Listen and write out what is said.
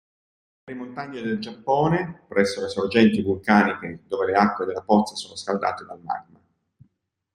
Nelle montagne del Giappone presso le sorgenti vulcaniche dove le acque della pozza sono scaldate dal magma.